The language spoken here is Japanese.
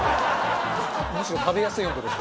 むしろ食べやすい温度です。